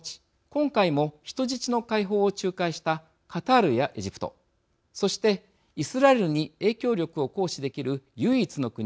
今回も人質の解放を仲介したカタールやエジプトそしてイスラエルに影響力を行使できる唯一の国